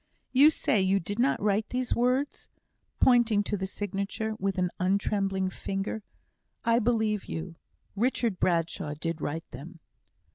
"You say you did not write these words?" pointing to the signature, with an untrembling finger. "I believe you; Richard Bradshaw did write them."